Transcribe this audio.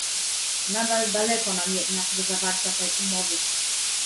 Nadal daleko nam jednak do zawarcia tej umowy